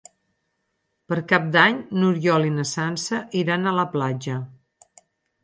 Per Cap d'Any n'Oriol i na Sança iran a la platja.